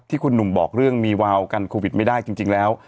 คุณหนุ่มบอกเรื่องมีวาวกันโควิดไม่ได้จริงแล้ว